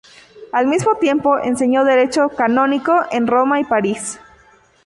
Al mismo tiempo, enseñó derecho canónico en Roma y París.